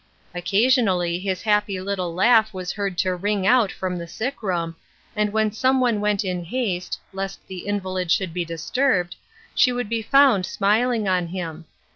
Occasionally, his happy little laugh was heard to ring out from the sick room, and when some one went in haste, lest the invalid should be disturbed, she would be found smiling on him.